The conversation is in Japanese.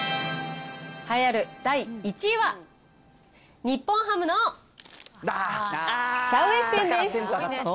栄えある第１位は、日本ハムのシャウエッセンです。